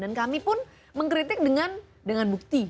dan kami pun mengkritik dengan bukti